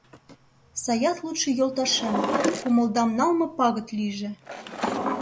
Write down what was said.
Саят лудшо йолташем, кумылдам налме пагыт лийже!